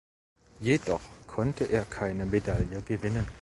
Jedoch konnte er keine Medaille gewinnen.